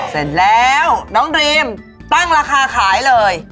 เสร็จแล้วน้องดรีมตั้งราคาขายเลย